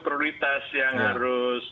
prioritas yang harus